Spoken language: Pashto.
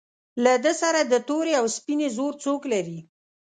له ده سره د تورې او سپینې زور څوک لري.